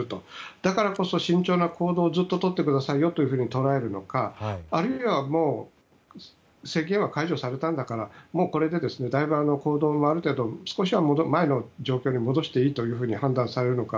だからこそ慎重な行動をずっととってくださいよと捉えるのかあるいは、もう宣言は解除されたんだからこれでだいぶ、行動もある程度前の状況に戻していいと判断されるのか。